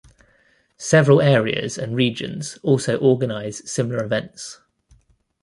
Several areas and regions also organize similar events.